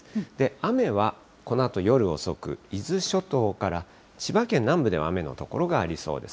雨はこのあと夜遅く、伊豆諸島から千葉県南部では、雨の所がありそうです。